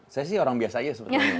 saya sih orang biasa aja sebetulnya